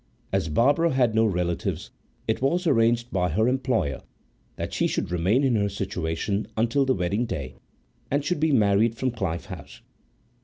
As Barbara had no relatives, it was arranged by her employer that she should remain in her situation until the wedding day and should be married from Clyffe House.